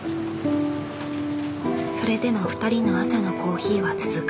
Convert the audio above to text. それでも２人の朝のコーヒーは続く。